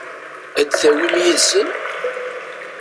Ad t-awin yid-sen?